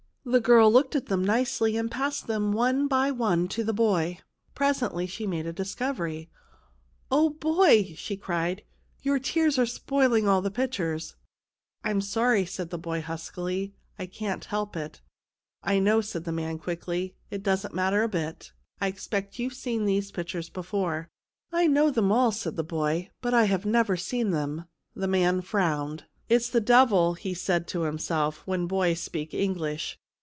The girl looked at them nicely, and passed them on one by one to the boy. Presently she made a discovery. " Oh, boy 1 " she cried, " your tears are spoiling all the pictures." " I'm sorry," said the boy huskily ;" I can't help it." " I know," the man said quickly ;" it doesn't matter a bit. I expect you've seen these pictures before." "I know them all," said the boy, "but I have never seen them." The man frowned. " It's the devil," he said to himself, " when boys speak English."